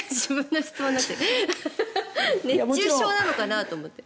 熱中症なのかなと思って。